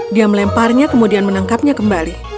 dia melemparnya kemudian menangkapnya kembali